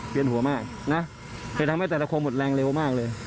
หัวมากนะแต่ทำให้แต่ละคนหมดแรงเร็วมากเลย